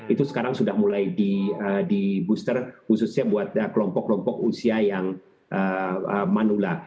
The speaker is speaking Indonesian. itu sekarang sudah mulai di booster khususnya buat kelompok kelompok usia yang manula